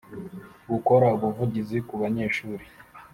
Gukora ubuvugizi ku banyeshuri